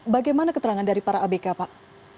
bagaimana keterangan dari para abk pak